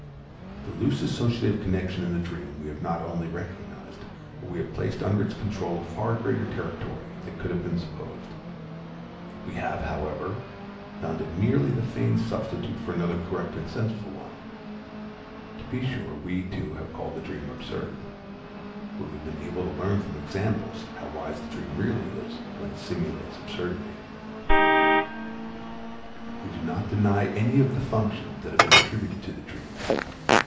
The loose associative connection in the dream we have not only recognized, but we have placed under its control a far greater territory than could have been supposed; we have, however, found it merely the feigned substitute for another correct and senseful one. To be sure we, too, have called the dream absurd; but we have been able to learn from examples how wise the dream really is when it simulates absurdity. We do not deny any of the functions that have been attributed to the dream.